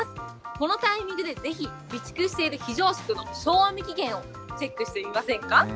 このタイミングでぜひ、備蓄している非常食の賞味期限をチェックしてみませんか？